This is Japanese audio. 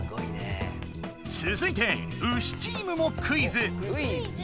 つづいてウシチームもクイズ。